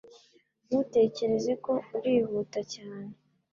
Ntutekereza ko urihuta cyane?